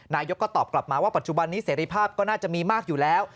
นายกก็ตอบกลับมาว่าปัจจุบันนี้เสรีภาพก็น่าจะมีมากอยู่แล้ว